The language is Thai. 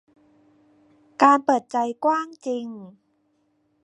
การเปิดใจกว้างจริง